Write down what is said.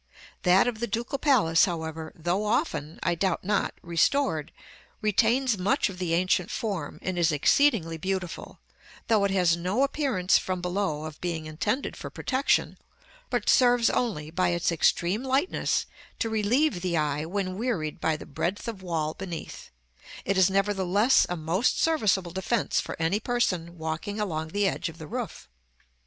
That of the Ducal Palace, however, though often, I doubt not, restored, retains much of the ancient form, and is exceedingly beautiful, though it has no appearance from below of being intended for protection, but serves only, by its extreme lightness, to relieve the eye when wearied by the breadth of wall beneath; it is nevertheless a most serviceable defence for any person walking along the edge of the roof.